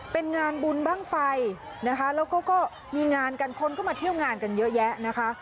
เป็นงานบุญบ้างไฟนะคะแล้วก็มีงานกันคนก็มาเที่ยวงานกันเยอะแยะนะคะ